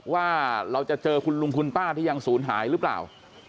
ว่าเราจะเจอคุณลุงคุณป้าที่ยังศูนย์หายหรือเปล่า